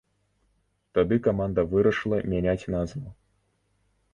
Тады каманда вырашыла мяняць назву.